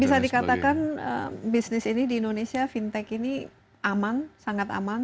bisa dikatakan bisnis ini di indonesia fintech ini aman sangat aman